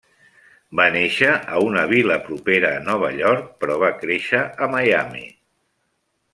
Va néixer a una vil·la propera a Nova York, però va créixer a Miami.